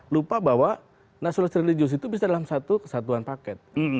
lupa bahwa national religius itu bisa dalam satu kesatuan paket